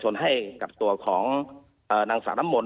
ต้องเป็นผู้ล้องทุกข์กล่าวโทษ